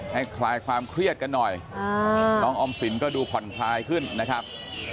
คลายความเครียดกันหน่อยน้องออมสินก็ดูผ่อนคลายขึ้นนะครับ